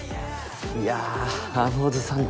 いやあのおじさん